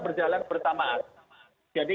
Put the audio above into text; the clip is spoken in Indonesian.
berjalan bertamaan jadi